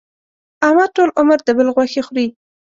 احمد ټول عمر د بل غوښې خوري.